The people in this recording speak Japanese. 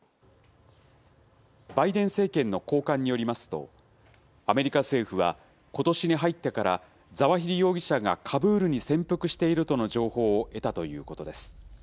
バイデン政権の高官によりますと、アメリカ政府は、ことしに入ってから、ザワヒリ容疑者がカブールに潜伏しているとの情報を得たということです。